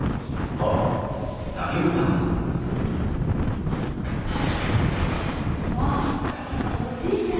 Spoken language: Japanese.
ああおじいちゃん